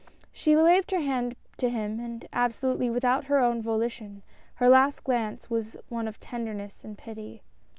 She waved her hand to him, and absolutely without her own volition — her last glance was one of tenderness and pity.